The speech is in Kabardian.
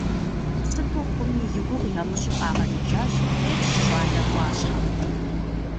Сыту хъуми, и гугъу ямыщӏу къагъэнэжащи, тетщ щӏалэр ӏуащхьэм.